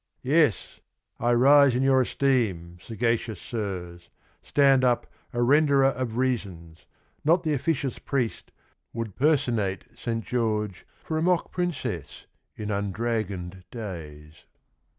"Yes, I rise in your esteem, sagacious Sirs, Stand up a Tenderer of reasons, not The officious priest would personate Saint George For a mock Princess in undragoned days.